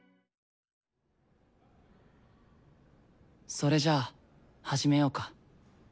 それじゃあ始めようか。